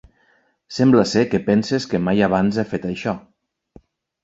Sembla ser que penses que mai abans he fet això.